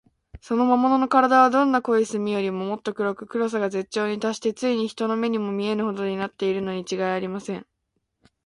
その魔物のからだは、どんな濃い墨よりも、もっと黒く、黒さが絶頂にたっして、ついに人の目にも見えぬほどになっているのにちがいありません。